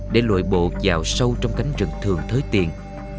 để lội bộ dạo sâu trong cánh rừng thường thới tiện